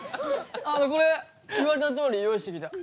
あのこれ言われたとおり用意してきた。